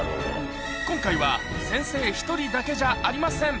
今回は先生１人だけじゃありません。